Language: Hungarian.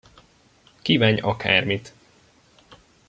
Kívánj akármit!